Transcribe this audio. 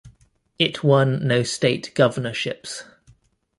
It won no state governorships.